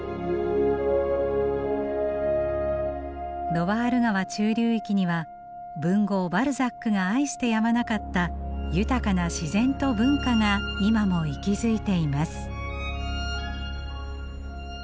ロワール川中流域には文豪バルザックが愛してやまなかった豊かな自然と文化が今も息づいています。